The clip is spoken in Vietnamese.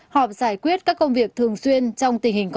họp giải quyết các công việc thường xuyên trong tình hình có